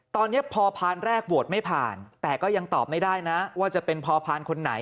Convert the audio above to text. ตอนนี้พอพานแรกโหวตไม่ผ่านแต่ก็ยังตอบไม่ได้นะว่าจะเป็นพอพานคนไหน